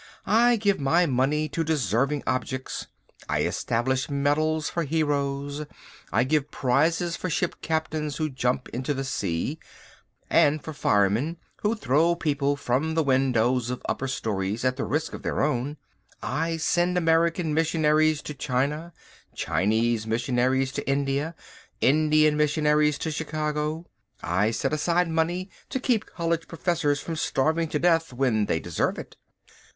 "I give my money to deserving objects. I establish medals for heroes. I give prizes for ship captains who jump into the sea, and for firemen who throw people from the windows of upper stories at the risk of their own; I send American missionaries to China, Chinese missionaries to India, and Indian missionaries to Chicago. I set aside money to keep college professors from starving to death when they deserve it."